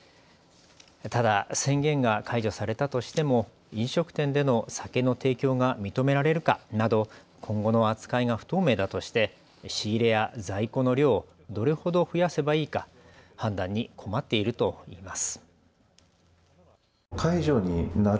ただ宣言が解除されたとしても飲食店での酒の提供が認められるかなど今後の扱いが不透明だとして仕入れや在庫の量をどれほど増やせばいいか判断に困っているといいます。